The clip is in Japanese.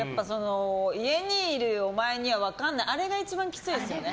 家にいるお前には分からないあれが一番きついですよね。